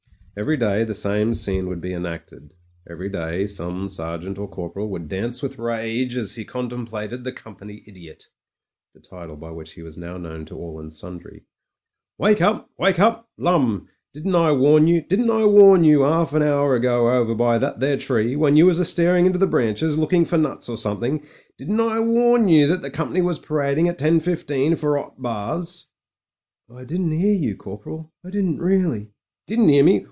Every day the same scene would be enacted ; every 64 MEN, WOMEN AND GUNS day some sergeant or corporal would dance with rage as he contemplated the Company Idiot — ^the title by which he was now known to all and sundry. "Wake up ! Wake up ! Lirnime, didn't I warn you — didn't I warn yer 'arf an 'our ago over by that there tree, when you was a staring into the branches looking for nuts or something — didn't I warn yer that the company was parading at 10.15 for 'ot baths?" "I didn't 'ear you, Corporal — I didn't really." "Didn't 'ear me!